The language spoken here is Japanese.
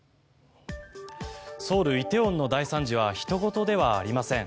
ソウル梨泰院の大惨事はひと事ではありません。